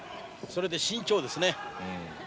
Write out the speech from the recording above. それで慎重ですね。